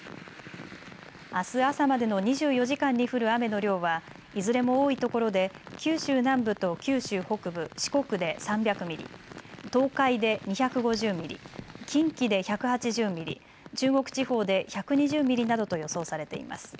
あす朝までの２４時間に降る雨の量は、いずれも多いところで九州南部と九州北部、四国で３００ミリ、東海で２５０ミリ、近畿で１８０ミリ、中国地方で１２０ミリなどと予想されています。